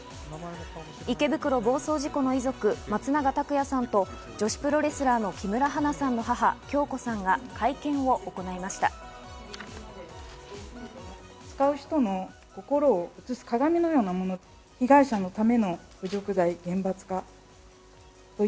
池袋暴走事故の遺族、松永拓也さんと女子プロレスラーの木村花さんの母・響子さんが会見を行いました。